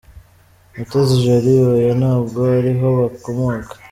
Mutesi Jolly: Oya, ntabwo ari ho bakomoka.